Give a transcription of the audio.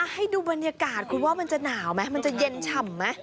ให้ดูบรรยากาศคุณว่ามันจะหนาวไหมมันจะเย็นฉ่ำไหม